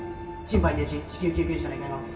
心肺停止至急救急車願います